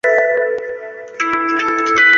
伊拉克总统是伊拉克的国家元首。